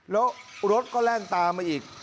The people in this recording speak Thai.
แล้วรถก็แล่นตามมาอีก